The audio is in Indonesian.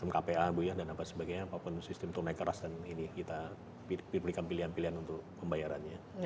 tentunya nanti bisa dengan sistem kpa bu ya dan apa sebagainya apapun sistem tunai keras dan ini kita diberikan pilihan pilihan untuk pembayarannya